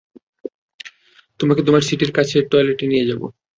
তোমাকে তোমার সিটের কাছের টয়লেটে নিয়ে যাব।